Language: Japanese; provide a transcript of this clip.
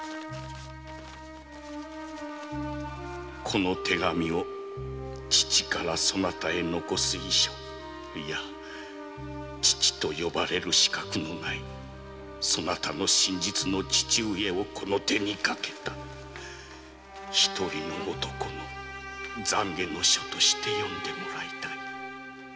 「この手紙を父からの遺書イヤ父と呼ばれる資格のないそなたの真実の父上をこの手にかけた一人の男の懺悔の書として読んでもらいたい」